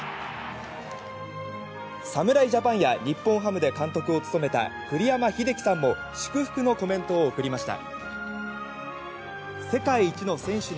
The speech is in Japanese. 侍ジャパンや日本ハムで監督を務めた栗山英樹さんも祝福のコメントを送りました。